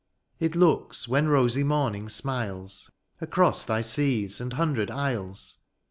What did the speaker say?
It looks when rosy morning smiles Across thy seas and hundred isles.